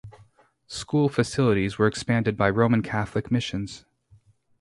School facilities were expanded by Roman Catholic missions.